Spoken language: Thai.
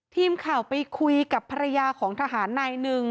ทีมข่าวไปคุยกับภรรยาของทหารนายหนึ่ง